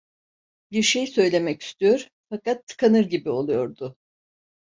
Bir şey söylemek istiyor, fakat tıkanır gibi oluyordu.